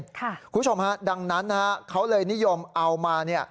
คุณผู้ชมฮะดังนั้นเขาเลยนิยมเอามา